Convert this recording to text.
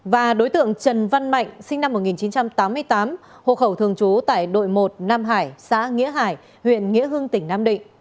và đối tượng trần văn mạnh sinh năm một nghìn chín trăm tám mươi tám hộ khẩu thường trú tại đội một nam hải xã nghĩa hải huyện nghĩa hưng tỉnh nam định